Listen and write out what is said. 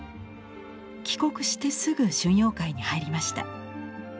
帰国してすぐ春陽会に入りました。